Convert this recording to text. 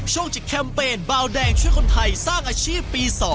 ช่วงจิกแคมเปญเบาแดงช่วยคนไทยสร้างอาชีพปี๒